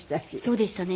そうでしたね。